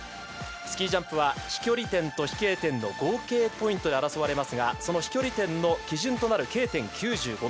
スキージャンプは飛距離点と飛型点の合計ポイントで争われますが飛距離点の基準となるＫ点９．５ｍ。